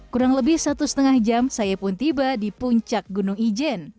kurang lebih satu setengah jam saya pun tiba di puncak gunung ijen